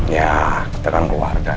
ya kita kan keluarga